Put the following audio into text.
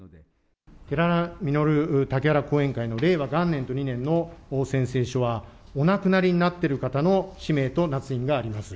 竹原後援会の令和元年と２年の宣誓書は、お亡くなりになってる方の氏名となつ印があります。